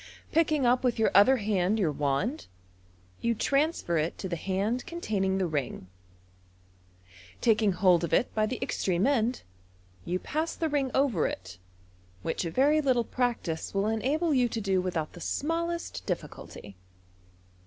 Picking up with your other hand your wand, you transfer it to the hand containing the ring. Taking hold of it by the extreme end, you pass the ring over it, which a very little practice will enable you to do without the smallest difficulty.